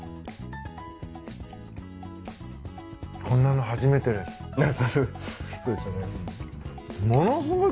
こんなの初めてです。